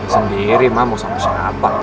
sendiri mah mau sama siapa